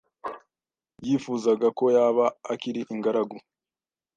yifuzaga ko yaba akiri ingaragu.